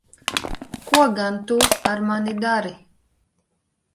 Ko gan tu ar mani dari?